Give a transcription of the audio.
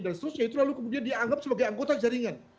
dan seterusnya itu lalu kemudian dianggap sebagai anggota jaringan